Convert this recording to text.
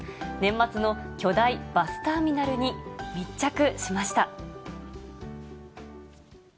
年末の巨大バスターミナルに密着しました。